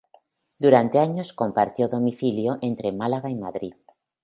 Durante años compartió domicilio entre Málaga y Madrid.